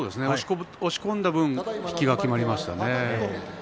押し込んだ分引きがきまりましたね。